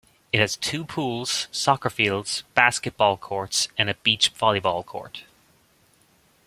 It has two pools, soccer fields, basketball courts and a beach-volleyball court.